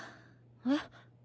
えっ？